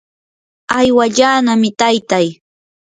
aywallanami taytay.